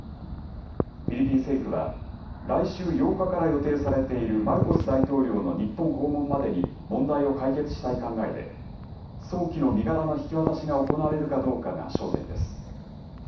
フィリピン政府は、来週８日から予定されているマルコス大統領の日本訪問までに問題を解決したい考えで、早期の身柄の引き渡しが行われるかどうかが焦点です。